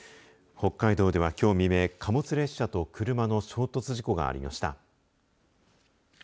北海道ではきょう未明貨物列車と車の衝突事故がありました。